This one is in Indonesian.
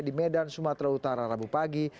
di medan sumatera utara rabu pagi